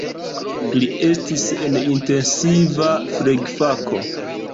Li estis en intensiva flegfako.